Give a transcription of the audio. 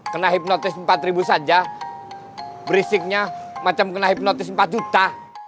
kena hipnotis empat ribu saja berisiknya macam kena hipnotis empat juta